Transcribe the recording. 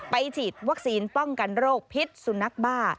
ฉีดวัคซีนป้องกันโรคพิษสุนัขบ้า